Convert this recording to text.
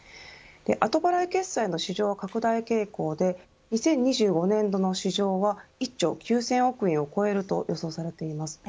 後払い決済の市場は拡大傾向で２０２５年度の市場は１兆９０００億円を超えると予想されています。